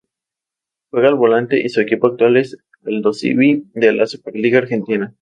Juega de volante y su equipo actual es Aldosivi, de la Superliga Argentina.